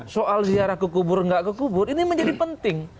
soal ziarah kekubur nggak kekubur ini menjadi penting